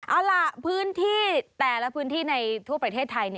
เอาล่ะพื้นที่แต่ละพื้นที่ในทั่วประเทศไทย